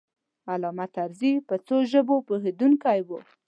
علامه طرزی په څو ژبو پوهېدونکی و.